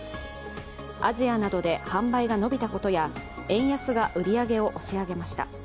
アジアなどで販売が伸びたことや円安が売り上げを押し上げました。